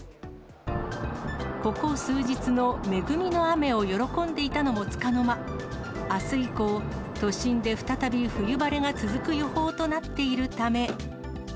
ここ数日の恵みの雨を喜んでいたのもつかの間、あす以降、都心で再び冬晴れが続く予報となっているため。